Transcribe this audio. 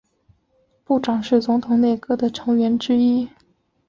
部长是总统内阁的成员之一。